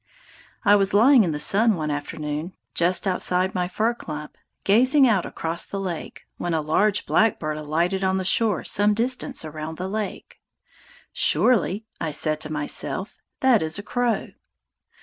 I was lying in the sun, one afternoon, just outside my fir clump, gazing out across the lake, when a large black bird alighted on the shore some distance around the lake. "Surely," I said to myself, "that is a crow."